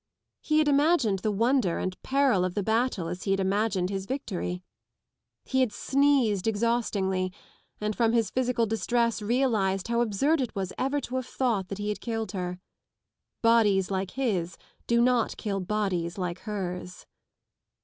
He had imagined the wonder and peril of the battle as he had imagined his victory. He sneezed exhaustingly, and from his physical distress realised hiw absurd it was ever to have thought that he had killed her. Bodies like his do not kill bodies like hers.